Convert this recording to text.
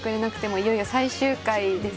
いよいよ最終回です。